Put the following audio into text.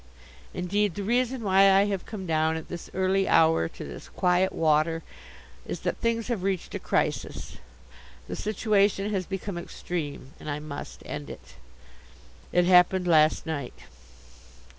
Indeed, the reason why I have come down at this early hour to this quiet water is that things have reached a crisis. The situation has become extreme and I must end it. It happened last night.